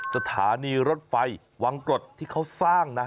สถานีรถไฟวังกรดที่เขาสร้างนะ